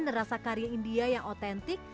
dan rasa kari india yang otentik